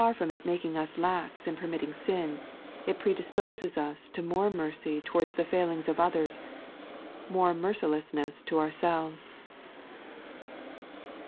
21 from it making ub lax in permitting sin, it predisposes nn to more mercf towards the failings of others, more mer oilessDess to ourselves.